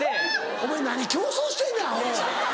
お前何競争してんねんアホ！